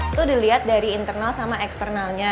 itu dilihat dari internal sama eksternalnya